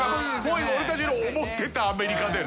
俺たちの思ってたアメリカだよ。